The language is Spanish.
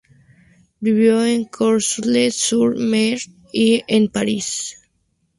Vivió en Courseulles-sur-Mer y en París.